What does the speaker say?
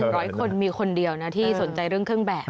ร้อยคนมีคนเดียวนะที่สนใจเรื่องเครื่องแบบ